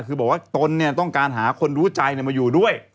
คือบอกว่าตนเนี่ยต้องการหาคนรู้ใจมาอยู่ด้วย